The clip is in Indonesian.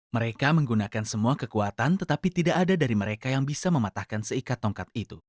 mereka menggunakan semua kekuatan tetapi tidak ada dari mereka yang bisa mematahkan seikat tongkat itu